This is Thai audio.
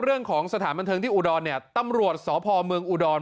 เรื่องของสถานบันเทิงที่อุดรเนี่ยตำรวจสพเมืองอุดร